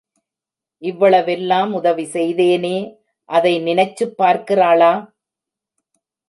இவ்வளவெல்லம் உதவி செய்தேனே அதை நினைச்சுப் பார்க்கிறாளா?